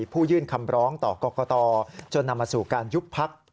ยื่นคำร้องต่อกรกตจนนำมาสู่การยุบพัก